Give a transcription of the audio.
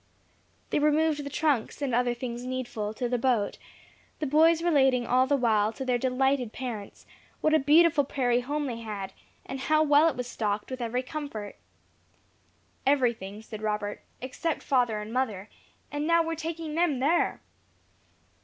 They removed the trunks, and other things needful, to the boat; the boys relating all the while to their delighted parents what a beautiful prairie home they had, and how well it was stocked with every comfort. "Everything," said Robert, "except father and mother; and now we are taking them there."